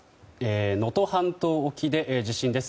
能登半島沖で地震です。